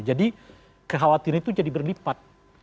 jadi kekhawatiran itu jadi berlipat